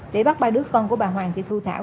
để bắt ba đứa con của bà hoàng thị thu thảo